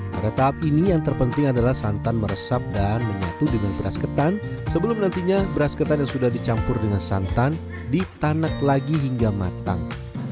pada tahap ini yang terpenting adalah santan meresap dan menyatu dengan beras ketan sebelum nantinya beras ketan yang sudah dicampur dengan santan ditanak lagi hingga matang